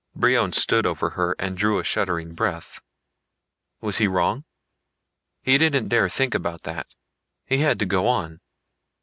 Brion stood over her and drew a shuddering breath. Was he wrong? He didn't dare think about that. He had to go on.